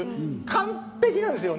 完璧なんですよ。